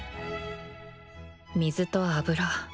水と油。